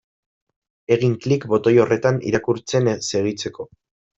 Egin klik botoi horretan irakurtzen segitzeko.